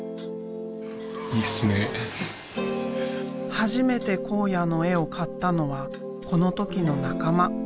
初めて考哉の絵を買ったのはこの時の仲間。